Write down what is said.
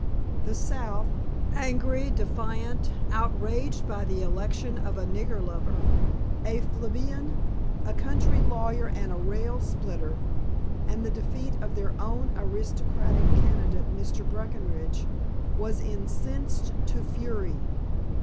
The South, angry, defiant, outraged by the election of a "nigger lover," a plebeian, a country lawyer and rail splitter, and the defeat of their own aristocratic candidate, Mr. Breckinridge, was incensed to fury.